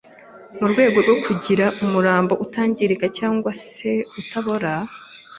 mu rwego rwo kugirango umurambo utangirika cyangwa se ukabora